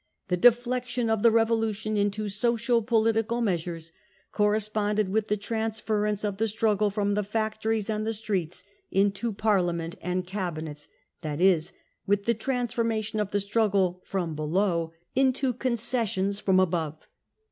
... The deflection of the revolution into social political measures corresponded with the trans ference of the struggle from the factories and the streets into Parliament and Cabinets, that is, with the trans formation of the struggle c from below 5 into concessions 4 from above